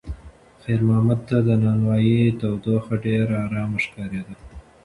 خیر محمد ته د نانوایۍ تودوخه ډېره ارامه ښکارېده.